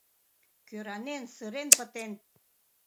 Кӧранен, сырен пытен